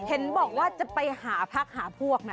เห็นบอกว่าจะไปหาพักหาพวกนะ